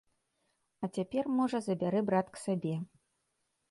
А цяпер, можа, забярэ брат к сабе.